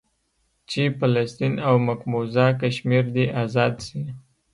چې فلسطين او مقبوضه کشمير دې ازاد سي.